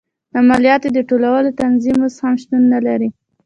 د مالیاتو د ټولولو تنظیم اوس هم شتون نه لري.